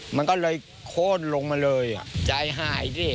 มันก็เลยโค้นลงมาเลยใจหายสิ